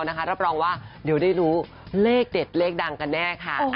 เราจะรับรองว่าเราจะรู้เลขเด็ดเลขดังแน่ค่ะ